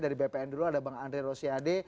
dari bpn dulu ada bang andre rosiade